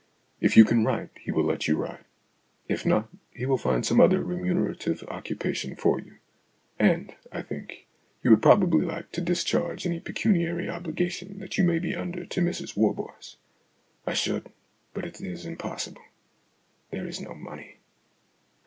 If you can write, he will let you write. If not, he will find some other remunerative occupa tion for you. And, I think, you would probably like to discharge any pecuniary obligation that you may be under to Mrs Warboys." " I should. But it is impossible. There is no money."